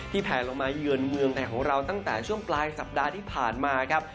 แผลลงมาเยือนเมืองไทยของเราตั้งแต่ช่วงปลายสัปดาห์ที่ผ่านมาครับ